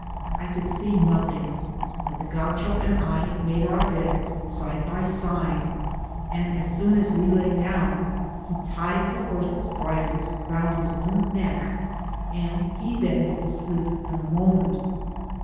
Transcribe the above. I could see nothing ; but the Gaucho and I made our beds side by side, and as soon as we lay down he tied the horses' bridles round his own neck, and he theii was asleep in a moment.